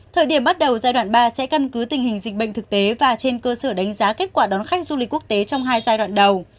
thời điểm bắt đầu giai đoạn ba sẽ căn cứ tình hình dịch bệnh thực tế và trên cơ sở đánh giá kết quả đón khách du lịch quốc tế trong hai giai đoạn đầu